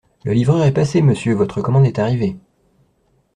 Le livreur est passé, monsieur, votre commande est arrivée.